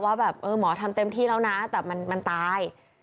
ว่าแบบเออหมอทำเต็มที่แล้วนะแต่มันตาย